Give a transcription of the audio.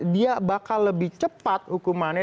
dia bakal lebih cepat hukumannya